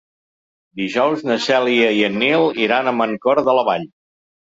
Dijous na Cèlia i en Nil iran a Mancor de la Vall.